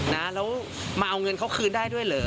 ต้องมาเอาเงินเค้าคืนได้ด้วยเหรอ